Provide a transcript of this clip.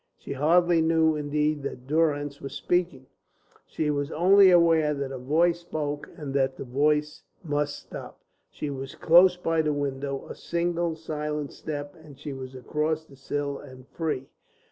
She hardly knew indeed that Durrance was speaking, she was only aware that a voice spoke, and that the voice must stop. She was close by the window; a single silent step, and she was across the sill and free.